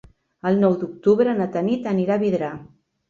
El nou d'octubre na Tanit anirà a Vidrà.